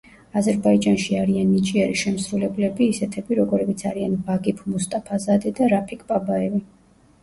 აზერბაიჯანში არიან ნიჭიერი შემსრულებლები ისეთები, როგორებიც არიან ვაგიფ მუსტაფაზადე და რაფიკ ბაბაევი.